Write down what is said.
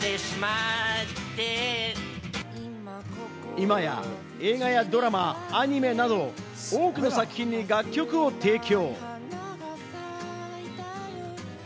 今や映画やドラマ、アニメなど多くの作品に楽曲を提供。